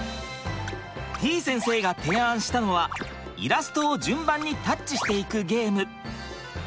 てぃ先生が提案したのはイラストを順番にタッチしていくゲーム。